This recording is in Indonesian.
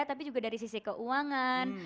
tapi juga dari sisi keuangan